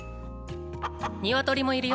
ニワトリもいるよ。